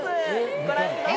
ご覧ください。